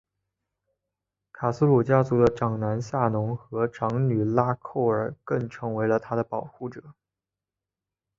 卡苏鲁家族的长男夏农和长女拉蔻儿更成为了她的保护者。